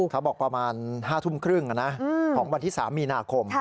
เขาบอกประมาณ๕ทุ่มครึ่งของวันที่๓มีนาคม